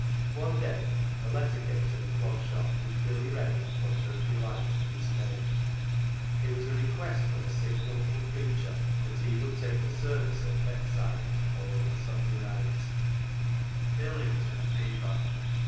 One day a letter came to the Clog Shop which Billy read in a flutter of delight and dismay. It was a request from a sick local preacher that he would take the service at Beckside on the following Sunday night. 40 CLOG SHOP CHRONICLES Billy was in a fever.